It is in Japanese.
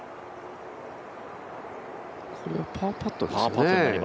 これはパーパットですよね。